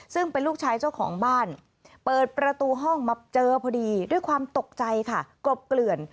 ซึ่งเป็นลูกชายเจ้าของบ้านเปิดประตูห้องมาเจอพอดีด้วยความตกใจค่ะกลบเกลื่อน